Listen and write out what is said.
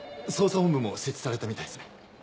捜査本部も設置されたみたいですね。